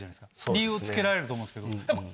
理由を付けられると思うんですけど。